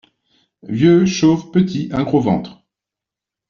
Vieux, chauve, petit, un gros ventre !